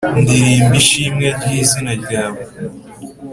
Ndirimba ishimwe ry izina ryawe